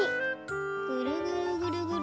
ぐるぐるぐるぐる。